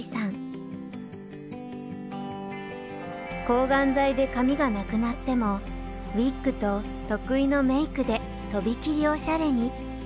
抗がん剤で髪がなくなってもウィッグと得意のメイクでとびきりおしゃれに。